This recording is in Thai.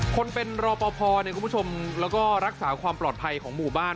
คนเป็นรอปภเนี่ยคุณผู้ชมแล้วก็รักษาความปลอดภัยของหมู่บ้าน